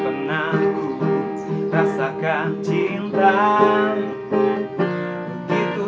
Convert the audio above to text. ke lagu dan kau datang membawa